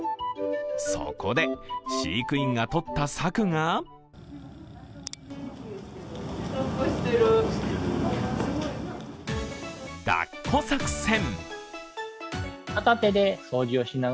そこで飼育員が取った策がだっこ作戦。